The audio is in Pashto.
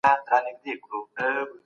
مشرک ته د پناه ورکولو حکم سوی دی.